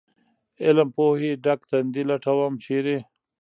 علم پوهې ډک تندي لټوم ، چېرې ؟